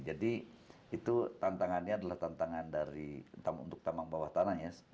jadi itu tantangannya adalah tantangan dari untuk tamang bawah tanah ya